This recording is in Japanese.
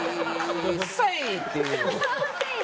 セイッ！っていう。